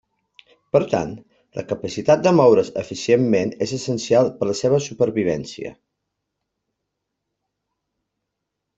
Per tant, la capacitat de moure's eficientment és essencial per la seva supervivència.